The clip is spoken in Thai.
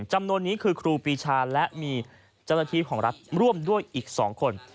จำนวนนี้คือครูปีชาและมีเจ้าหน้าที่ของรัฐร่วมด้วยอีก๒คน